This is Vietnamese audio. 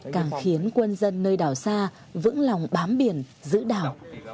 càng khiến quân dân nơi đảo xa vững lòng bám biển giữ đảo